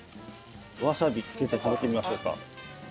わさびつけて食べてみましょうか。